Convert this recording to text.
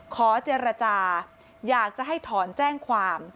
ขอเจรจาอยากจะให้ถอนแจ้งความ